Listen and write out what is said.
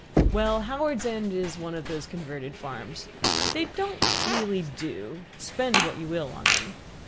"Well, Howards End is one of those converted farms. They don't really do, spend what you will on them.